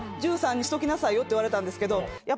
１３にしときなさいよって言われたんですけど。